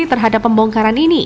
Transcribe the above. terhadap pembongkaran ini